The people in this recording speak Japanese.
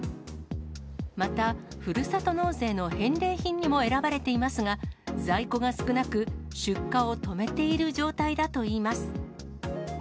また、ふるさと納税の返礼品にも選ばれていますが、在庫が少なく、出荷を止めている状態だといいます。